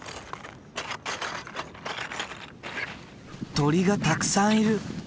鳥がたくさんいる。